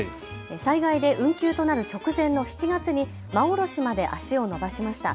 災害で運休となる直前の７月に馬下まで足を伸ばしました。